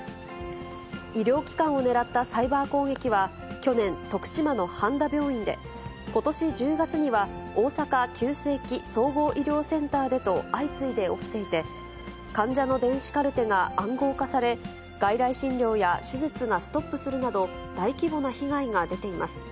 医療機関を狙ったサイバー攻撃は、去年、徳島の半田病院で、ことし１０月には大阪急性期・総合医療センターでと、相次いで起きていて、患者の電子カルテが暗号化され、外来診療や手術がストップするなど、大規模な被害が出ています。